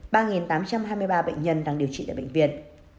ba tám trăm hai mươi ba bệnh nhân đang điều trị tại bệnh viện